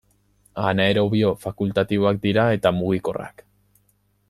Anaerobio fakultatiboak dira eta mugikorrak.